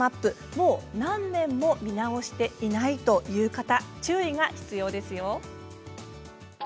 もう何年も見直していないという方注意が必要ですよ。